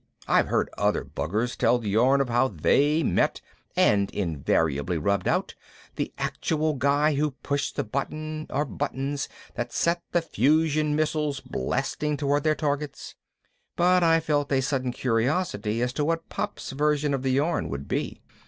I've heard other buggers tell the yarn of how they met (and invariably rubbed out) the actual guy who pushed the button or buttons that set the fusion missiles blasting toward their targets, but I felt a sudden curiosity as to what Pop's version of the yarn would be.